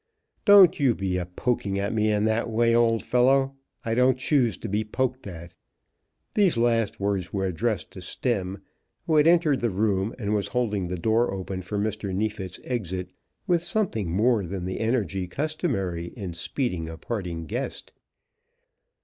Don't you be poking at me in that way, old fellow. I don't choose to be poked at." These last words were addressed to Stemm, who had entered the room, and was holding the door open for Mr. Neefit's exit with something more than the energy customary in speeding a parting guest.